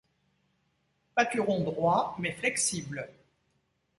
Pâturons droits mais flexibles.